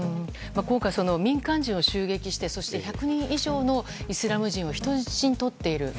今回、民間人を襲撃して１００人以上のイスラム人を人質にとっている。